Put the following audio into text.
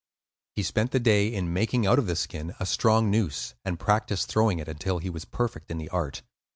He spent the day in making out of the skin a strong noose, and practised throwing it until he was perfect in the art.